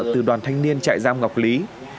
từ đoàn thanh niên chạy giam ngọc lý